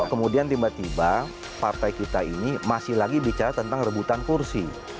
kemudian tiba tiba partai kita ini masih lagi bicara tentang rebutan kursi